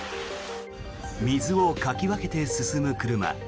水をかき分けて進む車。